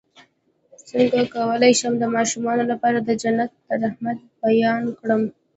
څنګه کولی شم د ماشومانو لپاره د جنت د رحمت بیان کړم